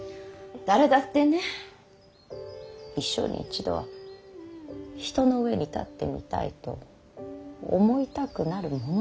誰だってね一生に一度は人の上に立ってみたいと思いたくなるものなの。